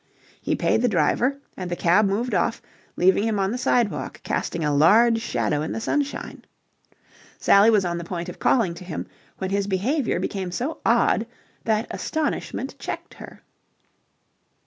He paid the driver, and the cab moved off, leaving him on the sidewalk casting a large shadow in the sunshine. Sally was on the point of calling to him, when his behaviour became so odd that astonishment checked her.